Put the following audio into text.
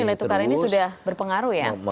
nilai tukar ini sudah berpengaruh ya